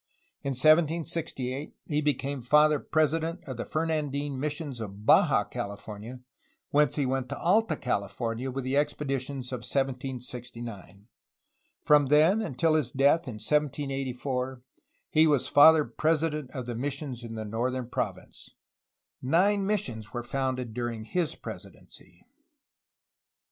In 1768 he became Father President of the Femandine missions of Baja CaUfornia, whence he went to Alta California with the expeditions of 1769. From then until his death in 1784 he was Father President of the missions in the northern province. Nine missions were founded during his presidency.